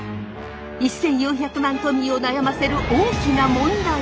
１，４００万都民を悩ませる大きな問題。